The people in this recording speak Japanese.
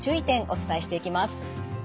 お伝えしていきます。